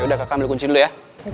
yaudah kakak ambil kunci dulu ya